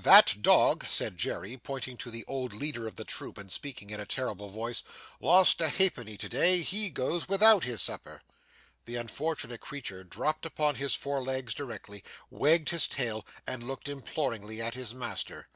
That dog,' said Jerry, pointing out the old leader of the troop, and speaking in a terrible voice, 'lost a halfpenny to day. He goes without his supper.' The unfortunate creature dropped upon his fore legs directly, wagged his tail, and looked imploringly at his master.